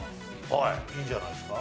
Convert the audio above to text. いいんじゃないですか？